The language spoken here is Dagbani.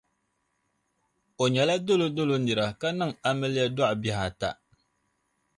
O nyɛla dolo dolo nira ka niŋ amiliya dɔɣi bihi ata.